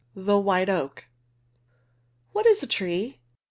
THE WHITE OAK. What is a tree?